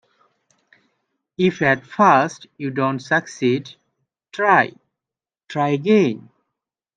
If at first you don't succeed, try, try again.